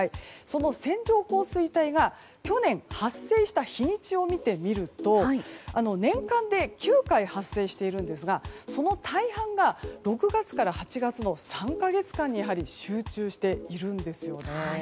その線状降水帯が去年発生した日にちを見てみると年間で９回発生しているんですがその大半が６月から８月の３か月間に集中しています。